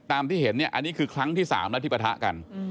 ตามที่เห็นอันนี้คือครั้งที่๓และที่ปะทะกัน